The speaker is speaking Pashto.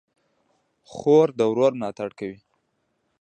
خور د ورور ملاتړ کوي.